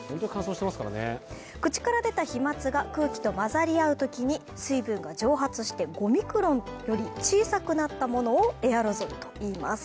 口から出た飛まつが空気を交ざり合うときに水分が蒸発して５ミクロンより小さくなったものをエアロゾルといいます。